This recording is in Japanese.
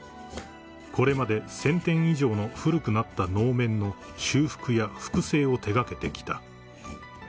［これまで１，０００点以上の古くなった能面の修復や複製を手掛けてきた］